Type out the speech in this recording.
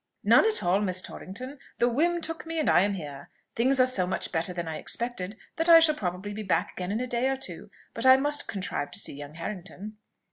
"None at all, Miss Torrington. The whim took me, and I am here. Things are so much better than I expected, that I shall probably be back again in a day or two; but I must contrive to see young Harrington."